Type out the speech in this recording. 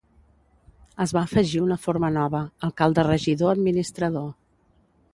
Es va afegir una forma nova, alcalde-regidor-administrador.